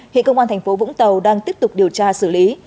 hiện công an tp vũng tàu đang tiếp tục điều tra xử lý